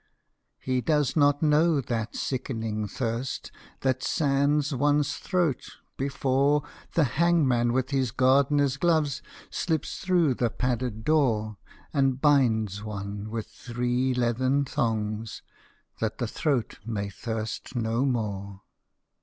He does not know that sickening thirst That sands oneâs throat, before The hangman with his gardenerâs gloves Slips through the padded door, And binds one with three leathern thongs, That the throat may thirst no more.